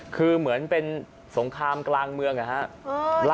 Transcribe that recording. คือเหมือนเป็นสงครามกลางเมืองนะครับ